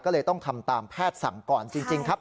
ก็เลยต้องทำตามแพทย์สั่งก่อนจริงครับ